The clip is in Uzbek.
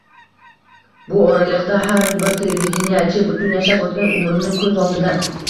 bu oraliqda har bir televideniyechi butun yashab o‘tgan umrini ko‘z oldida